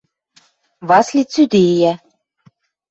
– Васли цӱдейӓ.